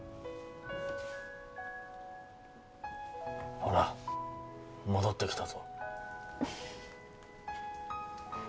ほら戻ってきたぞ・